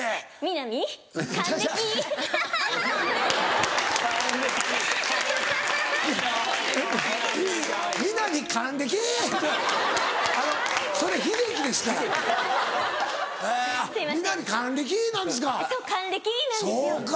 南還暦！なんですか。